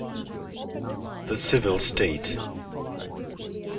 The Civil State.